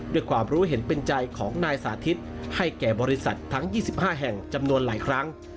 ด้วยความรู้เห็นเป็นใจของนายสาธิตให้แก่บริษัททั้ง๒๕แห่งจำนวนหลายครั้ง